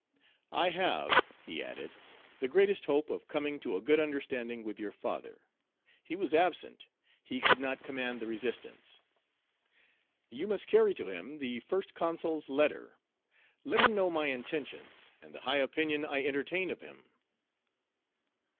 "I have," he added, "the greatest hope of coming to a good understanding with your father; he was absent; he could not command the resistance. You must carry to him the First Consul's letter; let him know my intentions, and the high opinion I entertain of him."